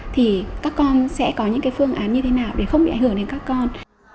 thì các con sẽ có những phương án như thế nào để không bị ảnh hưởng đến các con